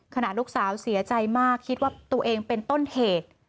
ลูกสาวเสียใจมากคิดว่าตัวเองเป็นต้นเหตุ